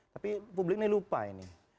tapi publik ini lupa ini